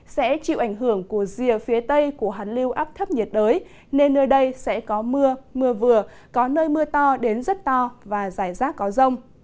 sẽ chịu ảnh hưởng của rìa phía tây của hàn lưu áp thấp nhiệt đới nên nơi đây sẽ có mưa mưa vừa có nơi mưa to đến rất to và giải rác có rông